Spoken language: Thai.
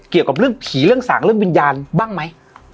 เกี่ยวกับเรื่องผีเรื่องสางเรื่องวิญญาณบ้างไหม